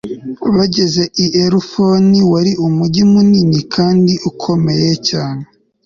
bageze i efuroni, wari umugi munini kandi ukomeye cyane